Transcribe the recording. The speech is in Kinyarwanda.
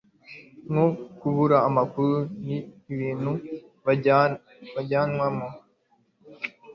nko kubura amakuru, ni ibintu abajyanama